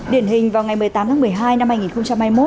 điển hình vào ngày một mươi tám một mươi hai hai nghìn hai mươi một